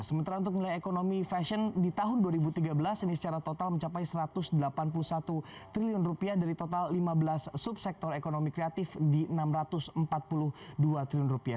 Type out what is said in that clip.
sementara untuk nilai ekonomi fashion di tahun dua ribu tiga belas ini secara total mencapai satu ratus delapan puluh satu triliun rupiah dari total lima belas subsektor ekonomi kreatif di enam ratus empat puluh dua triliun rupiah